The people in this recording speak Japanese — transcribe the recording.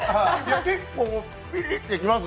結構ピリッと来ますね。